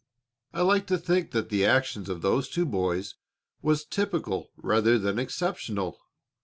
"I like to think that the actions of those two boys was typical rather than exceptional.